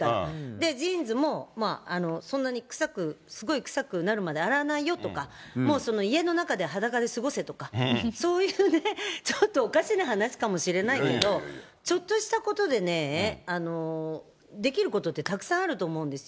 で、ジーンズも、そんなに臭く、すごい臭くなるまで洗わないよとか、もう家の中で裸で過ごせとか、そういうね、ちょっと、おかしな話かもしれないけど、ちょっとしたことでね、できることってたくさんあると思うんですよ。